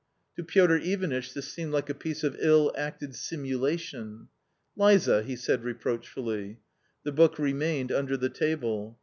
To Piotr Ivanitch this seemed like a piece of ill acted simulation. " Liza 1 " he said reproachfully. The book remained under the table.